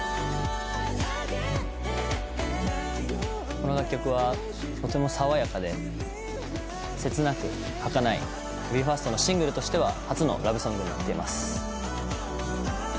この楽曲はとても爽やかで切なくはかないＢＥ：ＦＩＲＳＴのシングルとしては初のラブソングになっています。